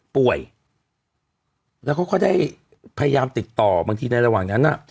ป่วยแล้วเขาก็ได้พยายามติดต่อบางทีในระหว่างนั้นน่ะ